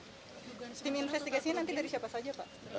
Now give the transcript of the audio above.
tim investigasinya nanti dari siapa saja pak